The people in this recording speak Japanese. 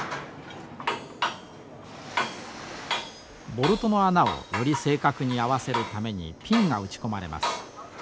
ボルトの穴をより正確に合わせるためにピンが打ち込まれます。